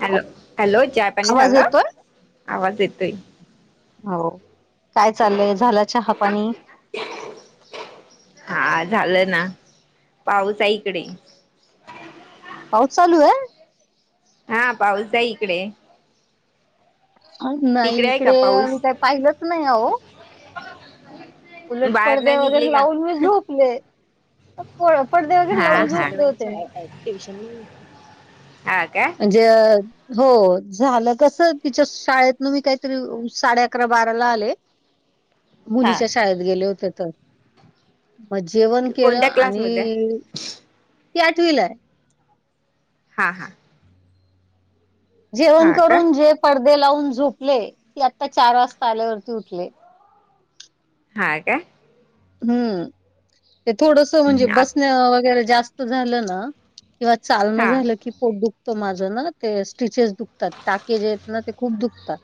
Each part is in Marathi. हॅलो हॅलो चहा पाणी आवाज झाला येतोय? आवाज येतोय. हो काय चाललंय झालाच्या चहा पानी हा झालं ना पाऊस आहे इकडे. पाउस चालू आहे. हा पाऊस आहे इकडे. तिकडे नाही आहे का इकडे पाऊस मी काही पाहिलंच नाही अहो. उलट बाहेर नाही पडद्या निघले वगैरे का लावून मी झोपले पडद्या वगैरे हा लावून हा झोपले हो. ट्यूशन. हा का? म्हणजे अ हो झालं कस तिच्या शाळेतन मी काहीतरी साडे अकरा बाराला आले. हा मुलीच्या शाळेत गेले होते तर. मग जेवण केलं कोणत्या आणि क्लासमध्ये ती आठवीला आहे. हा हा. जेवण हा का करून जे पडदे लावून झोपले ते आता चार वाजता आल्यावरती उठले. हा का हम्म ते थोडस म्हणजे हा बसण्या वगैरे जास्त झालं ना किंवा चालणं हा हा झालं कि पोट दुखतो माझं ना ते स्टिचेस दुखतात टाके जे आहेत ना ते खूप दुखतात.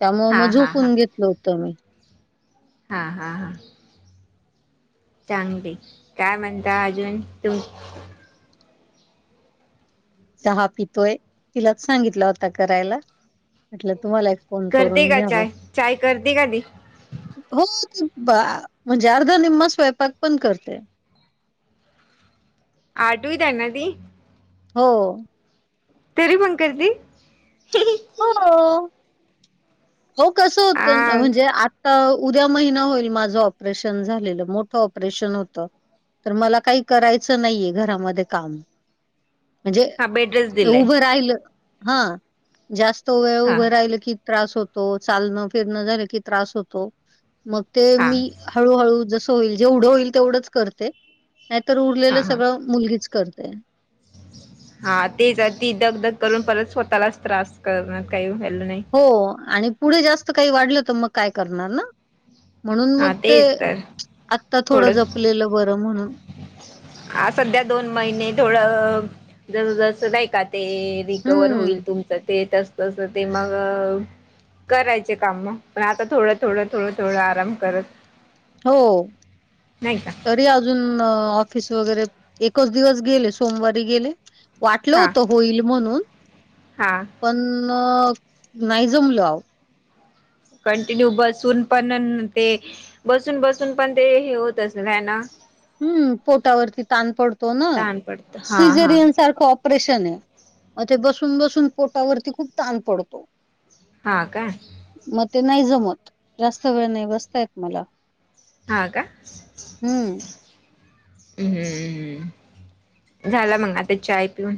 त्यामुळे हा मग हा झोपून घेतलं होतं मी. हा हा हा. चांगली काय म्हणता अजून तुम चहा पितोय तिलाच सांगितला होता करायला म्हटलं तुम्हाला फोन करते करून का घ्यावा. चाय चाय करते का ती? हो ते म्हणजे अर्ध निम्म स्वयंपाक पण करते. आठवीत आहे ना ती. हो. तरी पण करती? हो हो कस हा होतं म्हणजे आता उद्या महिना होईल माझं ऑपरेशन झालेलं मोठं ऑपरेशन होतं. तर मला काही करायचं नाहीये घरामध्ये काम. म्हणजे हा बेडच दिलंय उभं राहिलं हा. जास्त वेळ हा उभं राहिल की त्रास होतो चालणं फिरणं झालं की त्रास होतो. मग ते हा मी हळूहळू जसं होईल जेवढं होईल तेवढंच करते. नाहीतर हा उरलेलं हा सगळं मुलगीच करतेय. हा तेच ती धगधग करून परत स्वतःलाच त्रास करणार काही व्हाल नाही. हो आणि पुढे जास्त काही वाढलं तर मग काय करणार ना. म्हणून मग हा ते तेच तर आत्ता थोडं जपलेलं बरं म्हणून. हा सध्या दोन महिने थोडं [inaudible] ते रिकवर होईल हम्म. तुमचं ते तस तसं ते मग. करायचे काम मग पण आता थोडं थोडं थोडं थोडं आराम करत. हो. नाहीय का? तरी अजून ऑफिस वगैरे एकच दिवस गेले सोमवारी गेले. वाटलं हा होत होईल म्हणून हा पण नाही जमलो आहो कंटिन्यू बसून पण ते बसून बसून पण ते हे होत असेल हाय ना हम्म पोटावरती ताण पडतो ना ताण पडत हा हा सिझेरियन सारखं ऑपरेशन आहे मग ते बसून बसून पोटावरती खूप ताण पडतो हा काय मग ते नाही जमत जास्त वेळ नाही बसतायेत मला हा का? हम्म. हम्मम् झाला मंग आता चाय पिऊन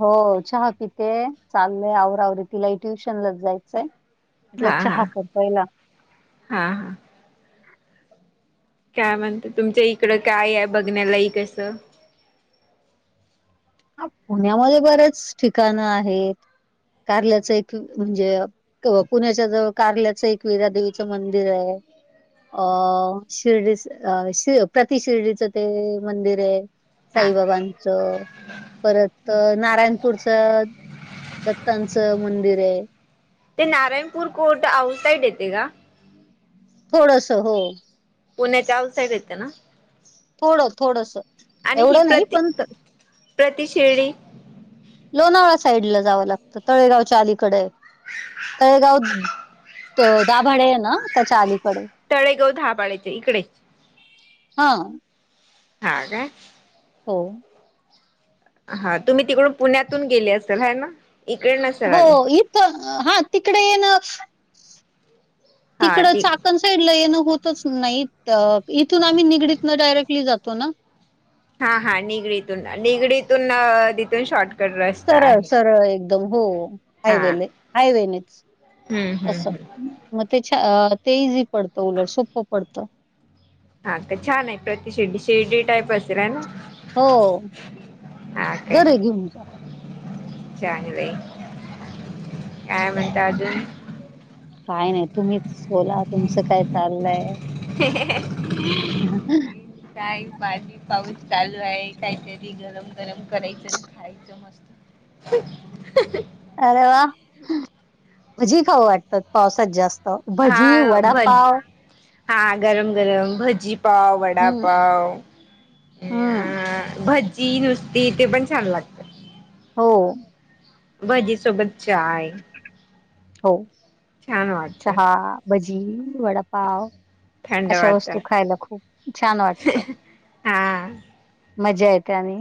हो चहा पितेय चाललेय आवरा आवरी तिलाही ट्युशनलाच जायचंय. म्हटलं हा -हा चहा कर पहिला. -हा काय म्हणत तुमच्या इकड काय आहे बघण्यालाईक असं हा पुण्यामध्ये बरेच ठिकाणं आहेत कारल्याच इथुन म्हणजे पुण्याच्या जवळ कार्ल्याचं एकविरा देवीचं मंदिर आहे. अ शिर्डी अ श प्रति शिर्डीचं ते मंदिर आहे हा साईबाबांचं परत नारायणपूरच दत्तांचं मंदिर आहे. ते नारायणपूर कोट आउट साईड येते का? थोडस हो पुण्याच्या आऊट साईड येते ना? थोडं थोडस आणि ही एवढं नाही प्रति पण? प्रतिशिर्डी लोणावळा साईडला जावं लागतं तळेगावच्या अलीकडे आहे. तळेगाव दाभडे आहे ना त्याच्या अली तळेगाव दाभाड्याच्या इकडे ह हा काय? हो. हा तुम्ही तिकडून पुण्यातून गेले असेल है ना. इकडे नस हो इथ हा तिकडे येन हा तिकडं ती चाकण साईड ला येणं होतच नाही इथून आम्ही निगडीतन डायरेक्टली जातो ना हा हा निगडीतून निगडीतून तिथून शॉर्ट सरळ सरळ एक एकदम हो हा हायवे हायवेनेच हम्म हम्म अस हम्म मग ते छ ते इझी पडतं उलट सोपं पडतं हा का छान आहे प्रतिशीर्डी शीर्डी टाईप असेल आहे ना? हो हा बर घेऊन जा चांगलय काय म्हणता अजून काय नाही तुम्हीच बोला तुमचं काय चाललंय? ह [unintelligible] ह [unintelligible] काय पाणी पाऊस चालू आहे काहीतरी गरम गरम करायचं न खायचं मस्त. अरे वा! ! भजी खाऊ वाटतात पावसात जास्त! भजी हा भजी वडापाव हा गरम गरम भजी पाव हम्म वडापाव हम्म अ भ जची नुसती ते पण छान लागते हो! ! भजीसोबत चाय! हो छान वाटतं चहा भजी वडाप पाव थंड अशा वस्तू वाटतं खायला खूप छान! वाटतात. हा मजा येते आणि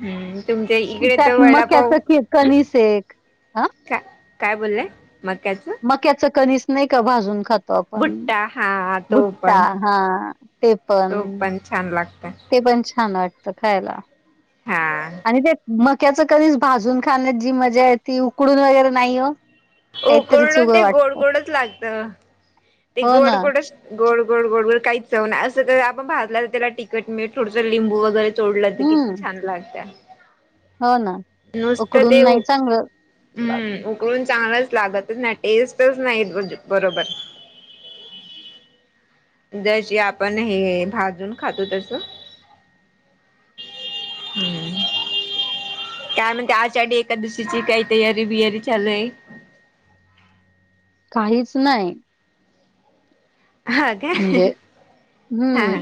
हम्म! तुमच्या इकडे तर त्यात वडापाव मक्याच की कणीस एक हा काय काय बोललंय? मक्याचं मक्याच कणीस नाही का भाजून खात? होका? भुट्टा हा तो भुट्टा पण हां! ते पण! तो छान लागत ते पण छान! वाटतं खायला!. हा! ! आणि ते म! मक्याच कणीस भाजून खाण्यात जी मजा येते. उकडून वगैरे नाही आओ! उकडु ते गोड गोडच लागत ते हो गोड ना गोडच गोड गोड गोड गोड काही चव नाही असं तर, आपण भाजला तर त्याला तिकट मिठ थोडसं लिंबू वगैरे चोळलं तर किती हम्म छान लाग त्या! हो ना नुसतं ते उकडून उ! नाही चांगलं ला- हम्म उ! ! गळू चांगलंच लागतच नाही टेस्टच नाही येत म्हणजे बरोबर! जशी आपण हे भाजून खातो तसं! [inaudible] [inaudible] [inaudible] काय म् ग आषाढी एकादशीची काही तयारी बियारी बिरया श्रीचालू हाय. काहीच ना य! हा काय म्हणजे हा हम्म! हा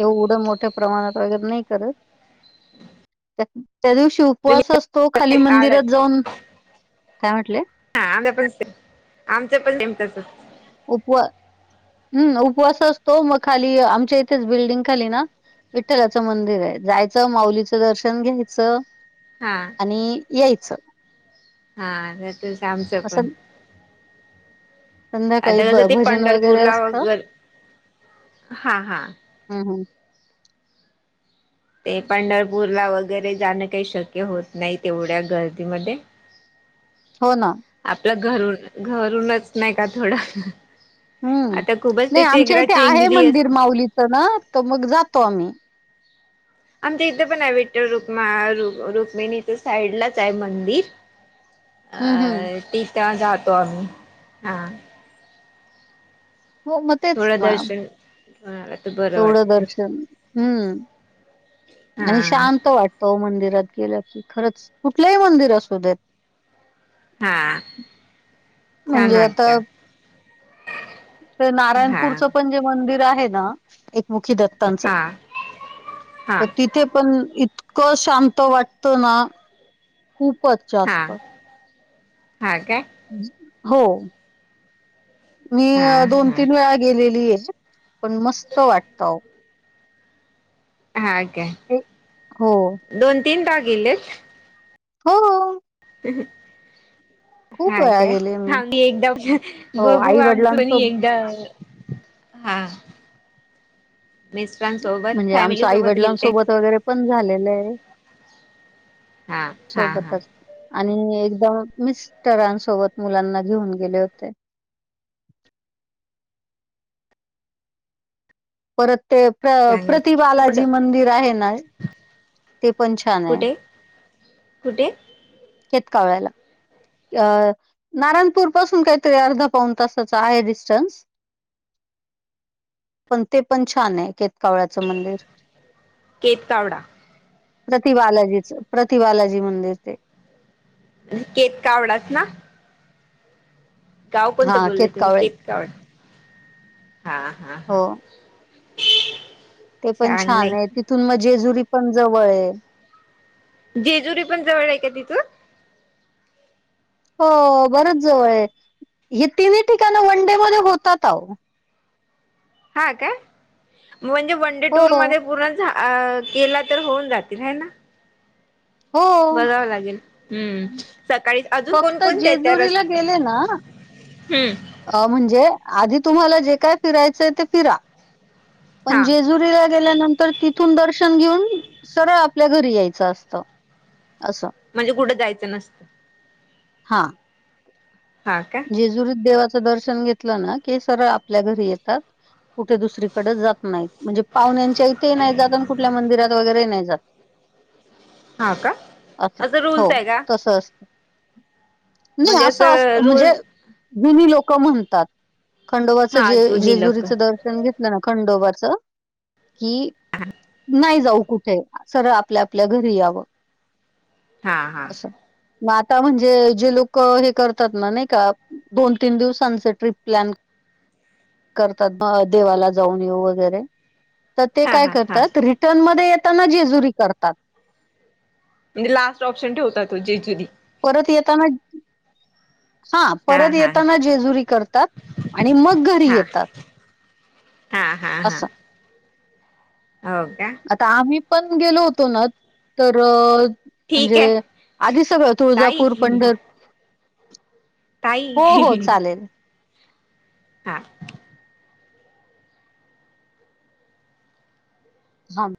एवढं मोठ्या प्रमाणात वगैरे नाही करत. [inaudible] [inaudible] [unintelligible] त्याक त्या दिवशी उपवास तुम्ही असतो खाली, मंदिरात आळत जाऊन काय म्हटल्या आ आंब्या पण सेम, आमचं पण सेम तसंच उपवा हम्! उपवास असतो मग खाली आमच्या इथेच बिल्डिंग खाली ना? विठ्ठलाचं मंदिर आहे. जायचं माउलीचं दर्शन घ्यायचं! हां! ! आणि यायचं! हां तसचं आमचं पण! असं संध्याकाळी आता भ कसं ते, भजन वगैरे पंढरपूरला असतं वगैर हा! हा! ! हं हं ते पंढरपूरला वगैरे जाणं काही शक्य होत नाही? तेवढ्या गर्दीमध्ये! हो ना? आपलं घरून- घरूनच नाही का थोडं! ! हम्म नाही आमच्या इथे आहे चेंगरी अस मंदिर माऊलीच ना? तर मग जातो आम्ही! ! आमच्या इथे पण आहे विठ्ठल रुक्मा, रू-रुक्मिणीच साईडलाच आहे मंदिर! अ! हं हं ! तिथं जातो आम्ही हां! ! हो म तेच गा! ! हं! तू ब! - तेवढं दर्शन हम्म आणि हा शांत वाट तो मंदिरात गेलं. की खरंच कुठलंही मंदिर असू देत. हां छान म्हणजे आता वाटतं. ते हा नारायणपूरचं पण जे मंदिर आहे ना! एकमुखी द त्तांच हा हा तिथं ते पण इतकं शांत वाटतं ना खूपच हा जास्त. हा काय! हो मी हा अ दोन हा तीन वेळा गेलेली हे पण मस्त वाटतं. आहो हा का? हो दोन तीनटा गेलेतं! हो हम्म हम खूप हां वेळा काय गेले मी आम्ही एकदा म्हणजे हो बघू आई आम्हीच पण वडिलांसोब एकदा हा मिस्टरांसोबत म्हणजे आमचं फॅमिली आई सोबत गेलते. वडिलांसोबत वगैरे पण झालेलं आहे. हा हा हा सोबतच आणि एकदम मिस्टरांसोबत मुलांना घेऊन गेले होते. परत ते प्र चांगलं प्रतिबालाजी मंदिर आहे ना! ते पण छान आहे. कुठे कुठे? केतकावळ्याला अ नारायणपूर पासून काहीतरी अर्धा पाऊन तासाच आहे. डिस्टन्स पण ते पण छान आहे. केतकावळ्याचं मंदिर केतकावडा? प्रति बालाजीच प्रतिबालाजी मंदिर ते आणि केतकावडाच ना? गाव हा कोणतं बोललय तुम्ही केतकावळे केतकाठा हा हा हा हो ते पण चांगलंय छान आहे. तिथून मग जेजुरी पण जवळ आहे. जेजुरी पण जवळ आहे का तिथून! हो बरच जवळ आहे. हे तिन्ही ठिकाण वनडे मध्ये होतात आहो हा काय म्हणजे वनडे हो टूरमध्ये पूर्ण जा गेला तर होऊन जातील हे ना हो बघावं लागेल. हम्म सकाळी अजून फक्त कोणकणत त्या रस्स जेजुरीला गेले ना हम्म अ म्हणजे आधी तुम्हाला जे काय फिरायचंय. ते फिरा पण हा जेजुरीला गेल्यानंतर तिथून दर्शन घेऊन. सरळ आपल्या घरी यायचं असत असं! म्हणजे कुठं जायचं नसतं. हा हा का! जेजुरीत देवाचं दर्शन घेतलं ना! कि सरळ आपल्या घरी येतात. कुठे दुसरीकडेच जात नाहीत. म्हणजे पाहुण्यांच्या इथे नाही जात. आणि कुठल्या मंदिरात वगैरेही नाही जात. हा का असं हो रूल्स आहे का तस असत नाही म्हणजे असं असत. रूल जूनी लोक म्हणतात. खंडोबाच हा जे जुनी लोक जेजुरीचं द र्शन घेतलं ना खंडोवरच की नाही. जाऊ कुठे सरळ आपल्या आपल्या घरी यावं हा हा असं. आता म्हणजे जे लोक हे कर तात ना नाही का, दोन -तीन दिवसांचे ट्रिप प्लॅन करतात बा देवाला जाऊन येऊ वगैरे त ते हा काय हा हा करतात रिटर्नमध्ये येताना जेजुरी करतात. म्हणजे लास्ट ऑप्शन ठेवता तो जेजुरी. परत येताना, हा परत येताना जेजुरी करतात, आणि मग घरी हा येतात. हा, हा, हा असं हो का? आता आम्ही पण गेलो होतो ना तर, अं ठीक आहे म्हणजे आधी सगळं तुळजापूर, ताई पंढर हो, हो ताई चालेल. हा, हां,